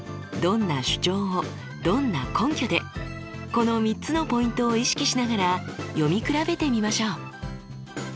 この３つのポイントを意識しながら読み比べてみましょう。